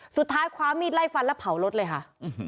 คว้ามีดไล่ฟันแล้วเผารถเลยค่ะ